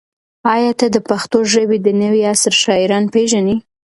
ایا ته د پښتو ژبې د نوي عصر شاعران پېژنې؟